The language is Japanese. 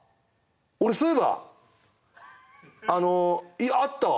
俺そういえばあのあったわ